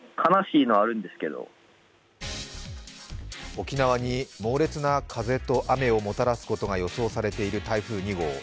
沖縄に猛烈な風と雨をもたらすことが予想されている台風２号。